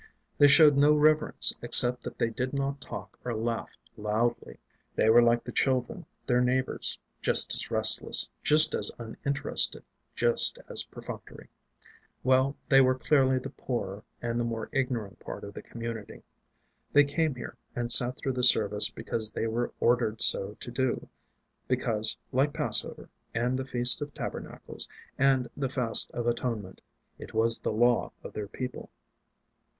They showed no reverence except that they did not talk or laugh loudly. They were like the children, their neighbors, just as restless, just as uninterested, just as perfunctory. Well, they were clearly the poorer and the more ignorant part of the community. They came here and sat through the service because they were ordered so to do; because, like Passover, and the Feast of Tabernacles, and the Fast of Atonement, it was the Law of their People.